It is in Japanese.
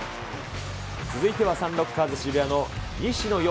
続いては、サンロッカーズ渋谷の西野曜。